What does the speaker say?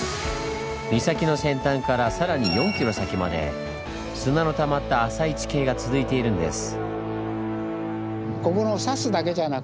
岬の先端からさらに４ｋｍ先まで砂のたまった浅い地形が続いているんです！